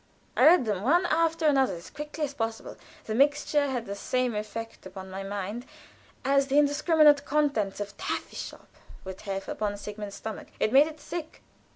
I read them one after another, as quickly as possible; the mixture had the same effect upon my mind as the indiscriminate contents of taffy shop would have upon Sigmund's stomach it made it sick.